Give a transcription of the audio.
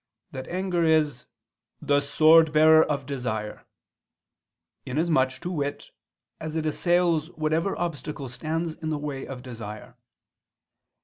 ] that anger is "the sword bearer of desire," inasmuch, to wit, as it assails whatever obstacle stands in the way of desire.